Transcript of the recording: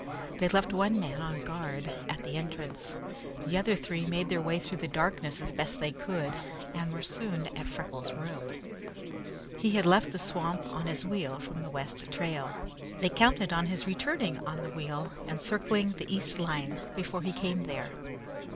They left one man on guard at the entrance. The other three made their way through the darkness as best they could, and were soon at Freckles' room. He had left the swamp on his wheel from the west trail. They counted on his returning on the wheel and circling the east line before he came there.